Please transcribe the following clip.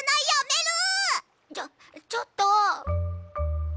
ちょちょっと！